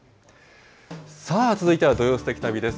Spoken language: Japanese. さあ、続いては土曜すてき旅です。